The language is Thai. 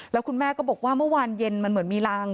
แล้วคุณแม่ก็บอกว่าเมื่อวานเย็นมันเหมือนมีราง